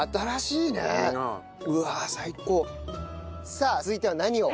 さあ続いては何を？